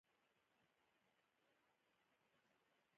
عیسی د خدای زوی او روح القدس جبراییل یې بلل.